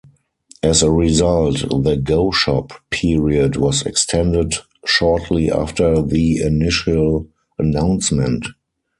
As a result, the "go-shop" period was extended shortly after the initial announcement.